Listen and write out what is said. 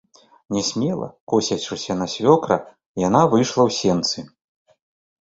Нясмела, косячыся на свёкра, яна выйшла ў сенцы.